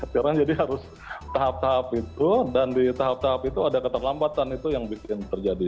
sekarang jadi harus tahap tahap itu dan di tahap tahap itu ada keterlambatan itu yang bikin terjadi